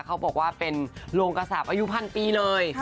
เขาบอกว่าเป็นโรงกระสาปอายุพันปีเลย